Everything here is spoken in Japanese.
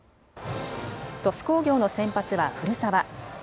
鳥栖工業の先発は古澤。